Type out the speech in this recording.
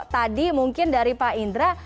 tadi mungkin dari pak indra